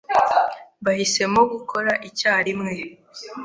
Bahisemo gukora icyarimwe